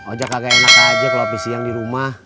oja kagak enak aja kalau abis siang di rumah